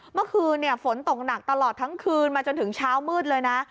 เมื่อคืนฝนตกหนักตลอดทั้งคืนมาจนถึงเช้ามืดเลยนะ